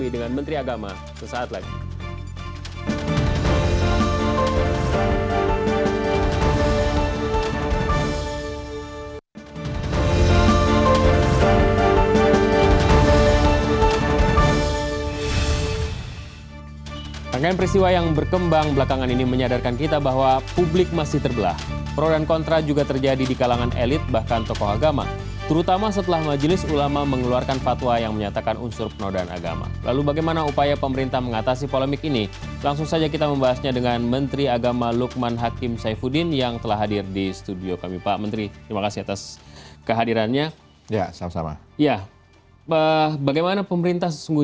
dalam banyak hal dalam banyak persoalan